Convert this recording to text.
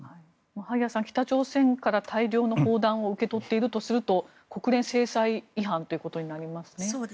萩谷さん、北朝鮮から大量の砲弾を受け取っているとする国連制裁違反ということになりますね。